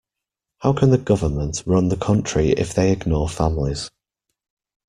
How can the government run the country if they ignore families?